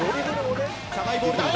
高いボールだ！